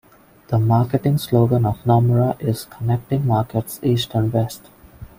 The marketing slogan of Nomura is "Connecting Markets East and West".